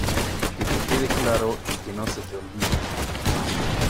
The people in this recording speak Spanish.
que te quede claro y que no se te olvide.